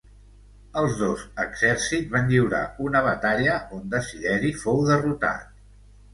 Els dos exèrcits van lliurar una batalla on Desideri fou derrotat.